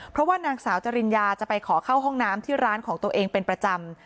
เพราะว่านางสาวจริญญาจะไปขอเข้าห้องน้ำที่ร้านของตัวเองเป็นประจำ